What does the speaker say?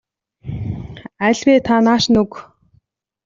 Аль вэ та нааш нь өг.